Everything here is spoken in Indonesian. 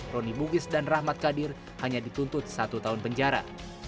roni bugis dan rahmat kadir hanya dituntut satu tahun penjara